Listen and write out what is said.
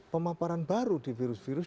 pemaparan baru di virus virus